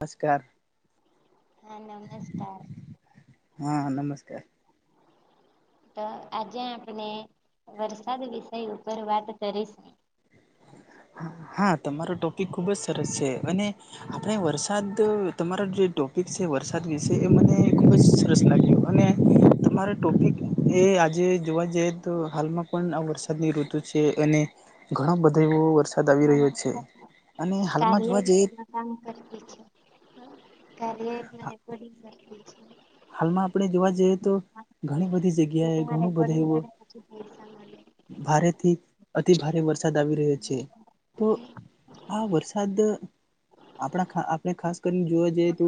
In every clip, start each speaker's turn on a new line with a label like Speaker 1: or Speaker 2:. Speaker 1: નમસ્કાર.
Speaker 2: હા નમસ્કાર.
Speaker 1: હા નમસ્કાર
Speaker 2: તો આજે આપણે વરસાદ વિષય ઉપર વાત કરીશ. [inaudible]
Speaker 1: હા તમારો ટોપિક ખુબ જ સરસ છે અને આપણે વરસાદ તમારો જે ટોપિક છે વરસાદ વિશે એ મને ખૂબ જ સરસનાાગ મ અનેને તમારે ટોપિક એ આજે જોવા જઈએ તો હાલમાં પણ આ વરસાદની ઋતુ છે અને ઘણો બધો એવો વરસાદ આવી રહ્યો છે અને હાલમાં
Speaker 2: કાર્ય
Speaker 1: જોવા જઈએ
Speaker 2: કામ કર છે રેકોર્ડંગ કર છે.
Speaker 1: હાલમાં આપણે જોવા જઈએ તો ઘણી બધી
Speaker 2: છે
Speaker 1: જગ્યાએ
Speaker 2: તેમાં
Speaker 1: ઘણું બધું
Speaker 2: રેકોર્ડિંગ
Speaker 1: એવું
Speaker 2: [inaudible]
Speaker 1: ભારેથી અતિભારે વરસાદ આવી રહ્યો છે તો આ વરસાદ આપણા ખા આપણે ખાસ કરીને જોવા જઈએ તો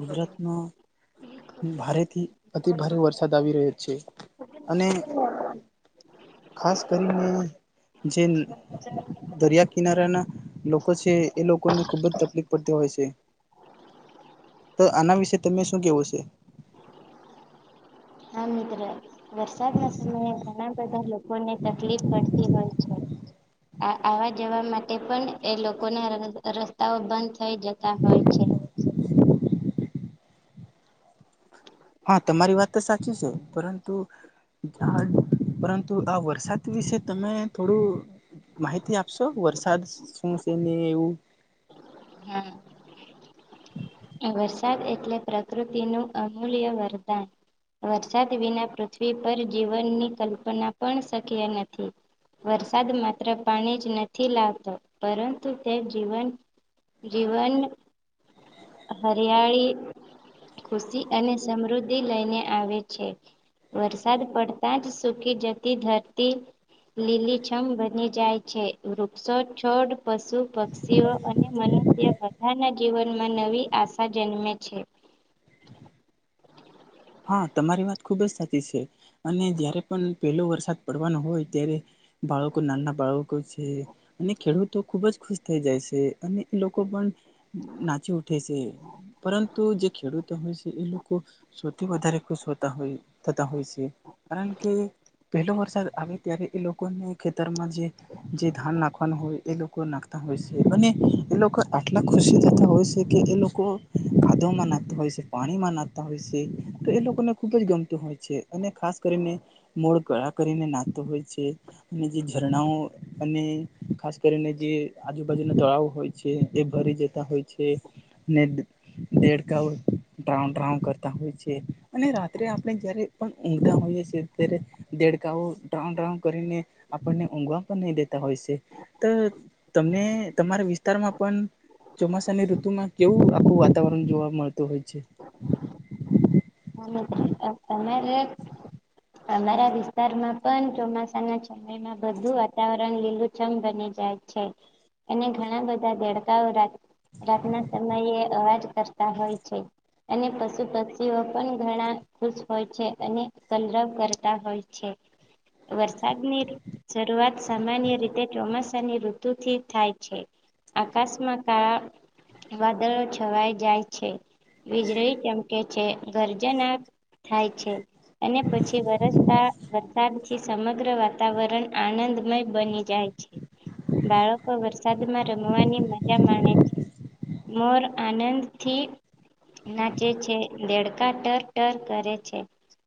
Speaker 1: ગુજરાતમાં ભારે થી અતિભારે વરસાદ આવી રહ્યો છે અને ખાસ કરીને જે દરિયા કિનારાના લોકો છે એ લોકોને ખુબ જ તકલીફ પડતી હોય છે.
Speaker 2: હ [inaudible]
Speaker 1: તો આના વિશે તમે શું કેવો છે?
Speaker 2: હા મિત્ર વરસાદના સમયે ઘણા બધા લોકોને તકલીફ પડતી હોય છે. આ આવા જવા માટે પણ એ લોકોના રસ્તાઓ બંધ થઇ જતા હોય છે.
Speaker 1: હા તમારી વાત તો સાચી છે, પરંતુ હ પરંતુ આ વરસાદ વિશે તમે થોડું માહિતી આપશો વરસાદ શું છે ને એવું?
Speaker 2: હમ.
Speaker 1: [inaudible]
Speaker 2: વરસાદ એટલે પ્રકૃતિનું અમૂલ્ય વરદાન. વરસાદ વિના પૃથ્વી પર જીવનની કલ્પના પણ શક્ય નથી. વરસાદ માત્ર પાણી જ નથી લાવતો, પરંતુ તે જીવન જીવન હરિયાળી ખુશી અને સમૃદ્ધિ લઈને આવે છે. વરસાદ પડતા જ સુૂકી જતી ધરતી લીલીછમ બની જાય છે વૃક્ષો છોડ પશુ પક્ષીઓ અને મનુ તે બધાના જીવનમાં નવી આશા જન્મે છે.
Speaker 1: હા તમારી વાત ખુબ જ સાચી છે અને જયારે પણ પહેલો વરસાદ પડવાનો હોય ત્યારે બાળકો નાના બાળકો છે. અને ખેડૂતો ખુબ જ ખુશ થઈ જાય છે અને એ લોકો પણ નાચી ઉઠે છે પરંતુ જે ખેડૂતો હોય છે એ લોકો થી વધારે ખુશ હોતા હોય થતા હોય છે કારણ કે પહેલો વરસાદ આવે ત્યારે એ લોકોને ખેતરમાં જે જે ધાન નાખવાનું હોય. એ લોકો નાખતા હોય છે અને એ લોકો આટલા ખુશી થતા હોય છે કે એ લોકો ખાદો મનાતા હોય છે પાણી મનાતા હોયશે. તો એ લોકોને ખુબ જ ગમતું હોય છે અને ખાસ કરીને મોળ કળા કરીને નાતો હોય છે અને જે ઝરણાઓ અને ખાસ કરીને જે આજુબાજુના તળાવ હોય છે એ ભરી જતા હોય છે. ને દેડ કા્રઉન્ડઉન્ડ કરતા હોય છે. અને રાત્રે આપણે જયારે પણ ઊંઘતા હોઈએ છીએ ત્યારે દેડકા રાઉ રાઉન્ કરીને આપણને ઊંઘવા પણ નહી દેતા હોય છે તો તમને તમારા વિસ્તારમાં પણ ચોમાસાની ઋતુમાં કેવું આખું વાતાવરણ જોવા મળતું હોય છે.
Speaker 2: હ મિત્ર અ તમે જે નયા વિસ્તારમાં પણ ચોમાસાના એમાં બધું વાતાવરણ લીલુંછમ બની જાય છે. એને ઘણા બધા દેડકાઓ રાતે. રાતના ટમયે અવાજ કરતા હોય છે અને પશુ પક્ષીઓ પણ ઘણા ખુશ હોય છે અને કલરવ કરતા હોય છે. વરસાદ નીર. શરૂઆત સામાન્ય રીતે ચોમાસાની ઋતુથી થાય છે. આકાશ મા કા. વાદળો છવાઈ જાય છે વીજળી ચમકે છે ગરજના થાય છે. અને પછી વરસતા વરસાદથી સમગ્ર વાતાવરણ આળંદમય બની. જાય છે બાળકો વરસાદમાં રમવાની મજા માણે છે. મોર આનંદથી નાચે છે દેડ કા ટર ટર કરે છે.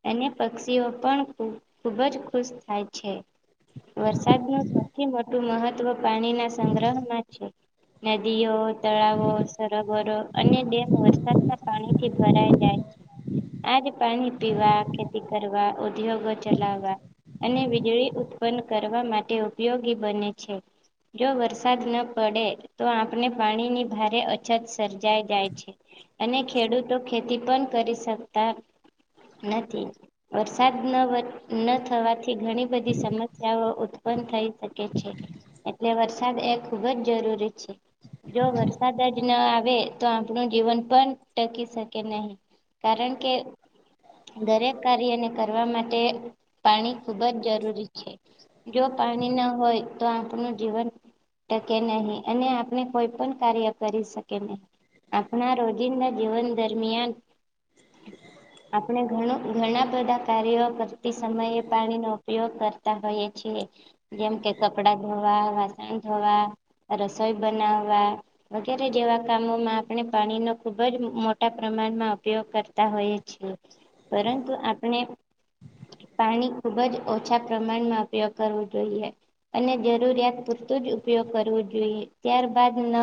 Speaker 2: અને પક્ષીઓ પણ ખ ખૂબ જ ખુશ થાય છે. વરસાદનું સૌથી મોટું મહત્ત્વ પાણીના સંગ્રહમાં છે. નદીઓ તળાવો સરોવરો અને ડેમ વરસાદના પાણીથી ભરાઈ જાય. છે. આજ પાણી પીવા ખેતી કરવા ઉદ્યોગો ચલાવા. અને વીજળી ઉત્પન્ન કરવા માટે ઉપયોગી બને છે. જો વરસાદ ન પડે તો આપને પાણીની ભારે અછત સર્જાએ જાય છે. અને ખેડૂતો ખેતી પણ કરી શકતા નથી વરસાદ ન. ન થવાથી ઘણી બધી સમસ્યાઓ ઊત્પન પણ થઈ શકે છે એટલે વરસાદ એ ખુબ જ જરૂરી છે. જો વરસાદ જ ના આવે તો આપણું જીવન પણ ટકી શકે નહી. કારણ કે દરેક કાર્યને કરવા માટે પાણી ખુબ જ જરૂરી છે જો પાણી ના હોય તો આપણું જીવન ટકે નહી અને આપણે કોઈ પણ કાર્ય કરી શકે નહી. આપણા રોજિંદા જીવન દરમિયાન આપણે ઘણું ઘણા બધા કાર્યો કરતી સમયે પાણીનો ઉપયોગ કરતા હોઈએ છીએ. જેમ કે કપડા ધોવા વાસણ ધોવા રસોઈ બનાવા વગેરે જેવા કામોમાં આપણે પાણી નો ખુબ જ મોટા પ્રમાણમાં ઉપયોગ કરતા હોઈએ છીએ પરંતુ આપણે પાણી ખુબ જ ઓછા પ્રમાણમાં ઉપયોગ કરવો જોઈએ. અને જરૂરિયાત પૂરતું જ ઉપયોગ કરવો જોઈએ ત્યારબદ ન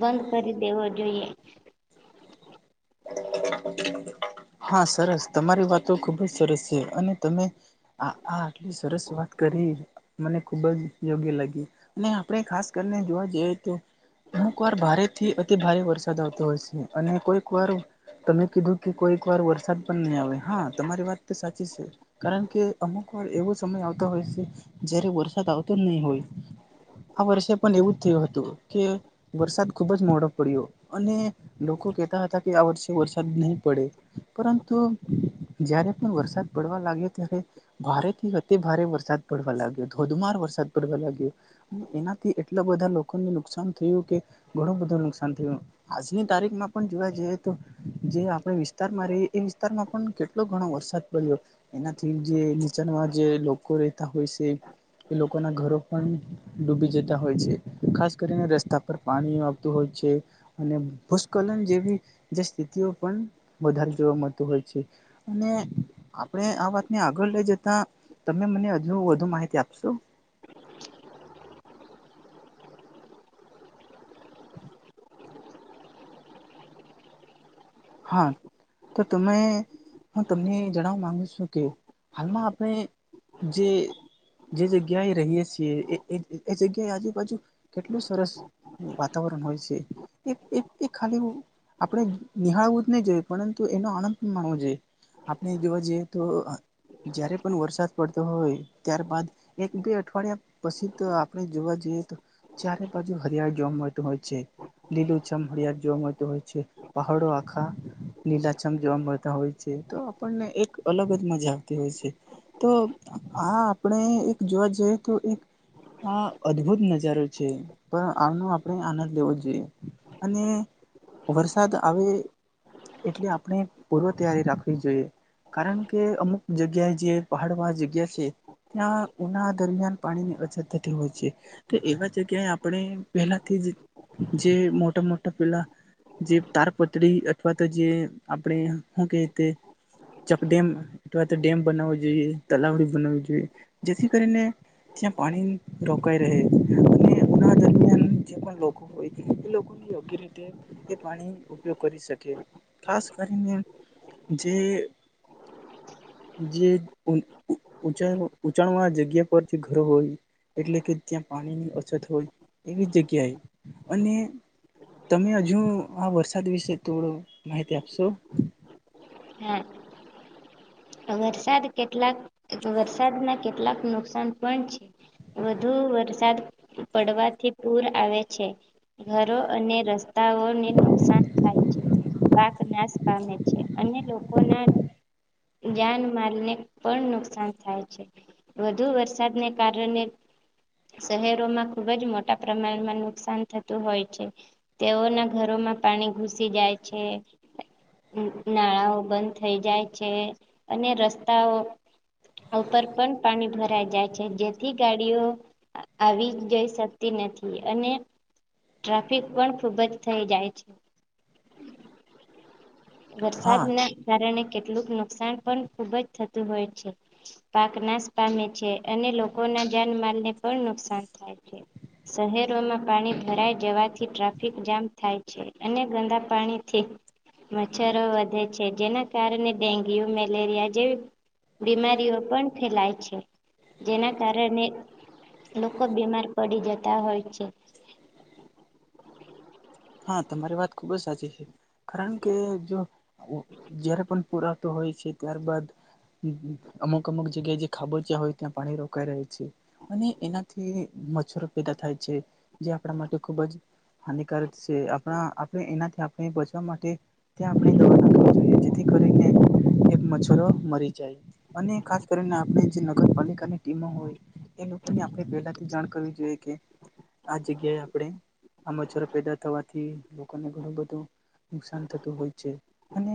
Speaker 2: બંધ કરી દેવો જોઈએ
Speaker 1: હા સરસ તમારી વાતો ખુબ જ સરસ છે અને તમે આ આ આટલી સરસ વાત કરી મને ખુબ જ યોગ્ય લગી અને આપણે ખાસ કરીને જોવા જઈએ તો અમુક વાર ભારે થી અતિ ભારે વરસાદ આવતો હોય છે અને કોઈ એક વાર તમે કીધું કે કોઈક વાર વરસાદ પણ નહીં આવે હા તમારી વાત તો સાચી છે કારણ કે અમુક વાર એવો સમય આવતો હોય છે જયારે વરસાદ આવતો જ નહીં હોય આ વર્ષે પણ એવું જ થયું હતું કે વરસાદ ખુબ જ મોડો પડ્યો અને લોકો કેહેતા હતા કે આ વર્ષે વરસાદ નહીં પડે પરંતુ જયારે પણ વરસાદ પડવા લાગ્યો ત્યારે ભારે થી અતિ ભારે વરસાદ પડવા લાગ્યો ધોધમાર વરસાદ પડવા લાગ્યો એનાથી એટલા બધા લોકોને નુકસાન થયું કે ઘણું બધું નુકસાન થયું આજની તારીખમાં પણ જોવા જઈએ તો જે આપણે વિસ્તારમાં રહી એ વિસ્તારમાં પણ કેટલો ઘણો વરસાદ પડ્યો એનાથી જે નીચાણમાં જે લોકો રહેેતા હોય છે એ લોકોના ઘરો પણ ડૂબી જતા હોય છે ખાસ કરીને રસ્તા પર પાણી આવતું હોય છે. અને ભૂસ્ખલન જેવી જે સ્થિતિઓ પણ વધારે જોવા મળતું હોય છે. અને આપણે આ વાતને આગળ લઈ જતાં તમે મને હજુ વધુ માહિતી આપશો? હા, તો તમે હું તમને જણાવા માંગુ છું કે હાલમાં આપણે જે જે જગ્યાએ રહીએ છીએ એ એ જગ્યાએ આજુબાજુ કેટલું સરસ વાતાવરણ હોય છે એ એ એ ખાલી આપણે નિહાળવું જ નઈ જોઈએ પરંતુ એનો આનંદ પણ માણવો જોઈએ આપણે જોવા જઈએ તો અ જયારે પણ વરસાદ પડતો હોય ત્યારબાદ એક બે અઠવાડિયા પસી તો આપણે જોવા જઈએ તો ચારેબાજુ હરિયાળ જોવા મળતું હોય છે લીલુંછમ હરિયાળી જોવા મળતું હોય છે. પહાડો આખા લીલાછમ જોવા મળતાં હોય છે તો આપણને એક અલગ જ મજા આવતી હોય છે. તો આ આપણે એક જોવા જઈએ તો એક આ અદ્ભુત નજારો છે પણ આનો આપણે આનંદ લેવો જોઈએ. અને વરસાદ આવે એટલે આપણે પૂર્વ તૈયારી રાખવી જોઈએ. કારણ કે અમુક જગ્યાએ જે પહાડમાં જગ્યા છે ત્યાં ઉનાળા દરમિયાન પાણીની અછત થતી હોય છે. તો એવા જગ્યાએ આપણે પેલાથી જ જે મોટાં-મોટાં પેલા જે તારપતરી અથવા તો જે આપણે હું કેય તે ચકડેમ અથવા તો ડેમ બનાવો જોઈએ, તલાવડી બનાવી જોઈએ જેથી કરીને ત્યાં પાણી રોકાઈ રહે. અને ઉનાળા દરમિયાન જે પણ લોકો હોય એ લોકોને યોગ્ય રીતે પાણી ઉપયોગ કરી શકે ખાસ કરીને જે જે ઉચ ઉંચાણવાળા જગ્યા પર જે ઘરો હોય એટલે કે ત્યાં પાણીની અછત હોય એવી જગ્યાએ અને તમે અજુ આ વરસાદ વિશે થોડો માહિતી આપશો?
Speaker 2: હા. વરસાદ કેટલાક વરસાદનાં કેટલાક નુકસાન પણ છે વધુ વરસાદ પડવાથી પૂર આવે છે. ઘરો અને રસ્તાઓને નુકસાન થાય છે. પાક નાશ પામે છે અને લોકોનાં જાનમાલને પણ નુકસાન થાય છે. વધુ વરસાદને કારણે શહેરોમાં ખૂબ જ મોટા પ્રમાણમાં નુકસાન થતું હોય છે. તેઓનાં ઘરોમાં પાણી ઘુસી જાય છે. ન નાળાઓ બંધ થઈ જાય છે અને રસ્તાઓ ઉપર પણ પાણી ભરાઈ જાય છે જેથી ગાડીઓ આવી જઈ શકતી નથી અને ટ્રાફિક પણ ખૂબ જ થઈ જાય છે.
Speaker 1: હા
Speaker 2: વરસાદના કારણે કેટલુંક નુકસાન પણ ખૂબ જ થતું હોય છે. પાક નાશ પામે છે અને લોકોના જાનમાલને પણ નુકસાન થાય છે. શહેરોમાં પાણી ભરાઈ જવાથી ટ્રાફિક જામ થાય છે અને ગંદા પાણીથી મચ્છરો વધે છે જેના કારણે ડેન્ગ્યુ, મેલેરિયા જેવી બીમારીઓ પણ ફેલાય છે જેના કારણે લોકો બીમાર પડી જતા હોય છે.
Speaker 1: હા, તમારી વાત ખૂબ જ સાચી છે કારણ કે જો જ્યારે પણ પુરાતો હોય છે ત્યારબાદ અમુક અમુક જગ્યાએ જે ખાબોચં હોય ત્યાં પાણી રોકાય રહે છે. અને એનાથી મચ્છરો પેદા થાય છે જે આપણા માટે ખુબ જ હાનિકારક છે આપણા આપણે એનાથી આપણે બચવા માટે ત્યાં આપણે દવા નાખવી જોઈએ જેથી કરીને એક મચ્છૂરો મરી જાય. અને ખાસ કરીને આપણે જે નગરપાલિકાની ટીમો હોય. એ લોકોને આપણે પહેલાથી જાણ કરવી જોઈએ કે આ જગ્યાએ આપણે આ પેદા થવાથી લોકોને ઘણું બધું નુકસાન થતું હોય છે. અને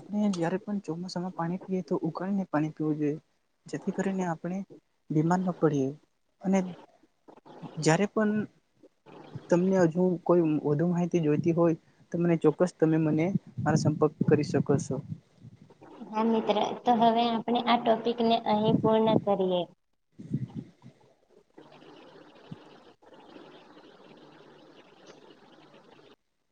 Speaker 1: આપણે જયારે પણ ચોમાસામાં પાણી પીએ તો ઉકાળીને પાણી પીવું જોઈએ. જેથી કરીને આપણે બીમાર ન પડીએ અને જ્યારે પણ તમને હજુ કોઈ વધુ માહિતી જોઈતી હોય તો મને ચોક્કસ તમે મને મારો સંપર્ક કરી શકો છો.
Speaker 2: હા મિત્ર તો હવે આપણે આ ટોપિકને અહી પૂર્ણ કરીએ.